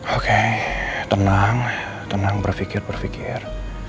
oke tenang tenang berpikir berpikir